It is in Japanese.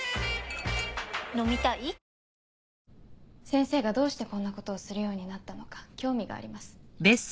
先生がどうしてこんなことをするようになったのか興味があります。